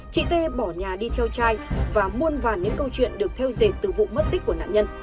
chị tê bỏ nhà đi theo chai và muôn vàn những câu chuyện được theo dệt từ vụ mất tích của nạn nhân